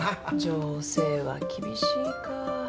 情勢は厳しいか。